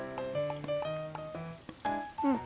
うん。